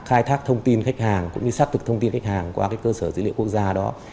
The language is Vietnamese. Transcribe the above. khai thác thông tin khách hàng cũng như xác thực thông tin khách hàng qua cái cơ sở dữ liệu quốc gia đó